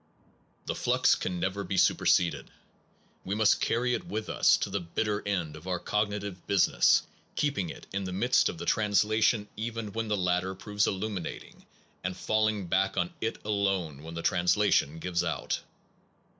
The flux can never be 78 PERCEPT AND CONCEPT superseded. We must carry it with us to the bitter end of our cognitive business, keeping it in the midst of the translation even when the The insu latter proves illuminating, and f all of sensa m back on it alone when the trans lation gives out.